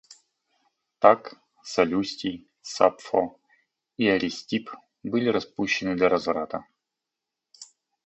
Так, Салюстий, Сапфо и Аристипп были распущенны до разврата.